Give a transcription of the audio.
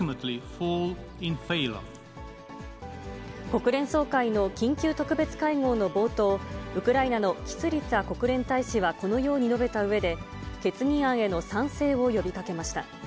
国連総会の緊急特別会合の冒頭、ウクライナのキスリツァ国連大使はこのように述べたうえで、決議案への賛成を呼びかけました。